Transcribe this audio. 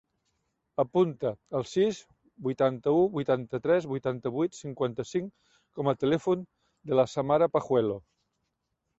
Apunta el sis, vuitanta-u, vuitanta-tres, vuitanta-vuit, cinquanta-cinc com a telèfon de la Samara Pajuelo.